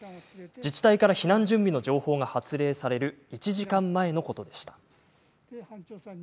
自治体から避難準備の情報が発令される１時間前のことでした。